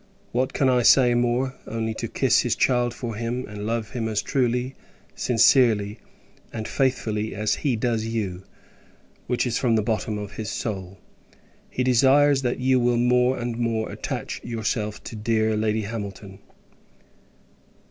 What can I say more? Only, to kiss his child for him: and love him as truly, sincerely, and faithfully, as he does you; which is, from the bottom of his soul. He desires, that you will more and more attach yourself to dear Lady Hamilton.